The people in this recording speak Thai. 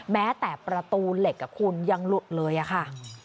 แม้แต่ประตูเหล็กคุณยังหลุดเลยค่ะ